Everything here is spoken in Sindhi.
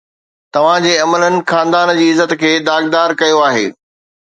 توهان جي عملن خاندان جي عزت کي داغدار ڪيو آهي